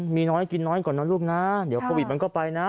มีน้อยกินน้อยก่อนนะลูกนะเดี๋ยวโควิดมันก็ไปนะ